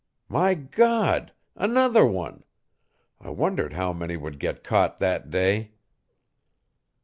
"My God! Another one! I wondered how many would get caught that day!"